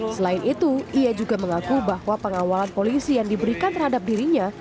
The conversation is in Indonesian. selain itu ia juga mengaku bahwa pengawalan polisi yang diberikan terhadap dirinya